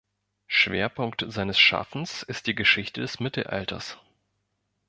Schwerpunkt seines Schaffens ist die Geschichte des Mittelalters.